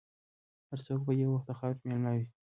هر څوک به یو وخت د خاورې مېلمه وي.